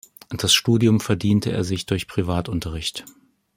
Das Studium verdiente er sich durch Privatunterricht.